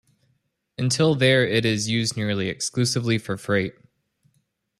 Until there it is used nearly exclusively for freight.